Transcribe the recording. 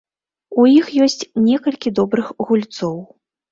У іх ёсць некалькі добрых гульцоў.